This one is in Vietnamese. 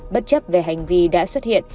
bất chấp về hành vi đã xuất hiện